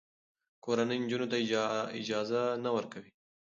کورنۍ نجونو ته اجازه نه ورکوي.